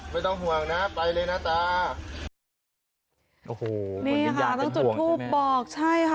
ไม่ต้องห่วงนะไปเลยนะตาโอ้โหนี่ค่ะต้องจุดทูปบอกใช่ค่ะ